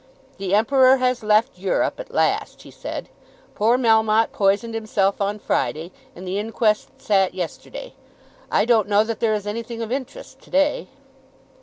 "The Emperor has left Europe at last," he said. "Poor Melmotte poisoned himself on Friday, and the inquest sat yesterday. I don't know that there is anything of interest to day."